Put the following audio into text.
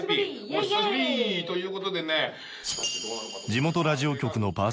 お久しぶり！ということでね。